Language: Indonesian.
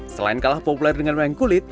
selain kalah populer dengan wayang kulit